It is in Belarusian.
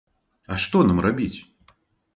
А што нам рабіць?